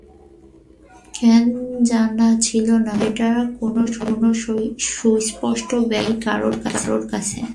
কেন জানা ছিল না, সেটার কোনো সুস্পষ্ট ব্যাখ্যা নেই কারও কাছেই।